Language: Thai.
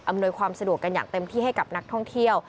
ความสะดวกกันอย่างเต็มที่ให้กับนักท่องเที่ยว